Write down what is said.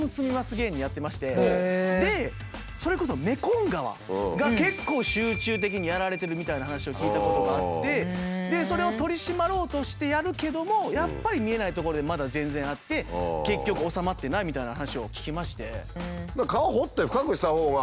芸人やってましてでそれこそメコン川が結構集中的にやられてるみたいな話を聞いたことがあってそれを取り締まろうとしてやるけどもやっぱり見えないとこでまだ全然あって結局おさまってないみたいな話を聞きまして。